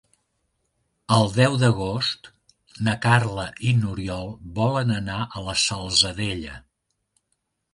El deu d'agost na Carla i n'Oriol volen anar a la Salzadella.